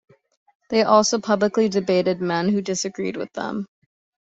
They also publicly debated men who disagreed with them.